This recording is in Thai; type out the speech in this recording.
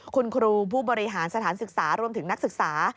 คุณครูผู้บริหารสถานศึกษารวมถึงนักศึกษา